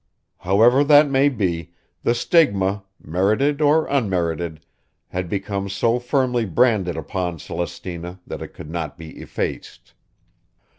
However that may be, the stigma, merited or unmerited, had become so firmly branded upon Celestina that it could not be effaced.